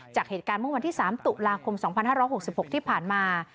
จากเหตุการณ์เมื่อวันที่๓ตุลาคม๒๕๖๖ที่ผ่านมา